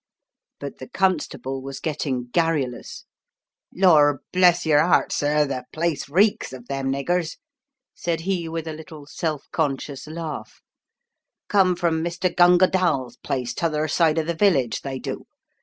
But the constable was getting garrulous. "Lor* bless yer 'eart, sir, the place reeks of them niggers!" said he with a little self conscious laugh. " Come from Mr. Gunga DaJTs place 'tother side of the village, they do.